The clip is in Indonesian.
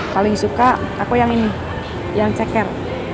paling suka aku yang ini yang ceker